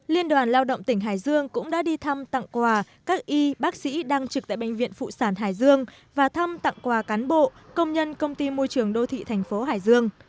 liên đoàn lao động tỉnh hải dương cũng đã đi thăm tặng quà các y bác sĩ đang trực tại bệnh viện phụ sản hải dương và thăm tặng quà cán bộ công nhân công ty môi trường đô thị thành phố hải dương